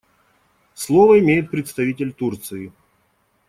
Слово имеет представитель Турции.